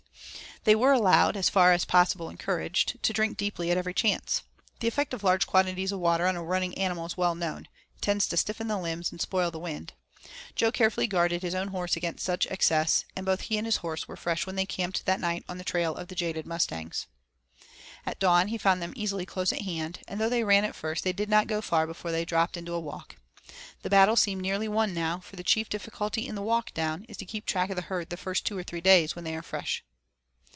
They were allowed, and as far as possible encouraged, to drink deeply at every chance. The effect of large quantities of water on a running animal is well known; it tends to stiffen the limbs and spoil the wind. Jo carefully guarded his own horse against such excess, and both he and his horse were fresh when they camped that night on the trail of the jaded mustangs. At dawn he found them easily close at hand, and though they ran at first they did not go far before they dropped into a walk. The battle seemed nearly won now, for the chief difficulty in the 'walk down' is to keep track of the herd the first two or three days when they are fresh.